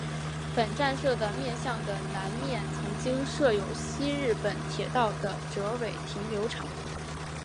本站舍的面向的南面曾经设有西日本铁道的折尾停留场。